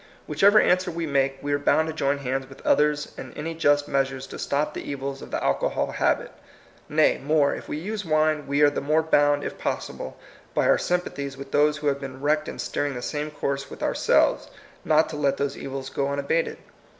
Whichever answer we make, we are bound to join hands with others in any just measures to stop the evils of the alcohol habit. Nay, more, if we use wine, we are the more bound, if possible, by our sym pathies with those who have been wrecked in steering the same course with ouraelves, not to let those evils go unabated.